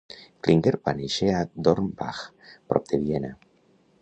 Klinger va néixer a Dornbach, prop de Viena.